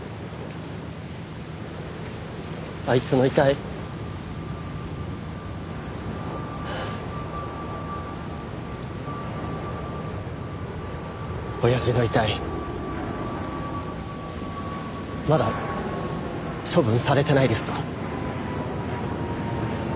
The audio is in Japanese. あいつの遺体親父の遺体まだ処分されてないですか？